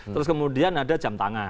terus kemudian ada jam tangan